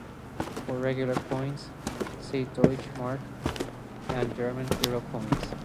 For regular coins, see Deutsche Mark and German euro coins.